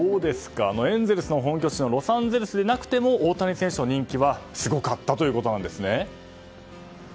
エンゼルスの本拠地のロサンゼルスでなくても大谷選手の人気はすごかったということですね。